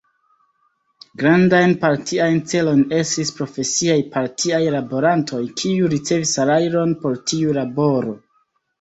Grandajn partiajn ĉelojn estris profesiaj partiaj laborantoj, kiuj ricevis salajron por tiu laboro.